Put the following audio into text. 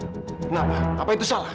kenapa apa itu salah